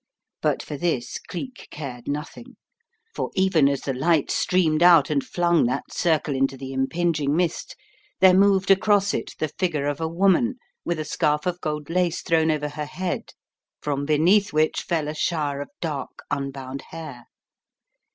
But for this Cleek cared nothing, for even as the light streamed out and flung that circle into the impinging mist, there moved across it the figure of a woman with a scarf of gold lace thrown over her head, from beneath which fell a shower of dark, un bound hair.